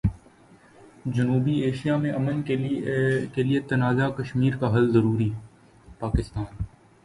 جنوبی ایشیا میں امن کیلئے تنازع کشمیر کا حل ضروری، پاکستان